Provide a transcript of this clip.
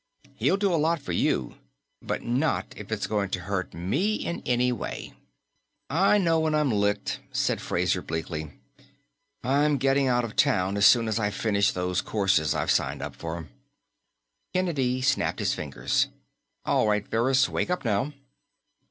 He'll do a lot for you, but not if it's going to hurt me in any way." "I know when I'm licked," said Fraser bleakly; "I'm getting out of town as soon as I finish those courses I'm signed up for." Kennedy snapped his fingers. "All right, Ferris, wake up now."